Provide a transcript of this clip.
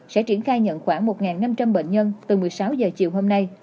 sẽ triển khai nhận khoảng một năm trăm linh bệnh nhân từ một mươi sáu giờ chiều hôm nay